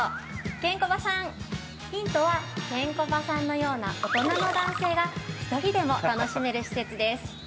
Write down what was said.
ケンコバさん、ヒントは、ケンコバさんのような大人の男性が１人でも楽しめる施設です。